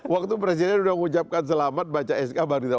waktu presidennya sudah mengucapkan selamat baca sk baru